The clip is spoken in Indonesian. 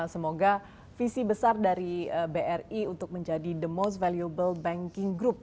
semoga visi besar dari bri untuk menjadi the most valuable banking group